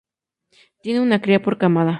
Tienen una cría por camada.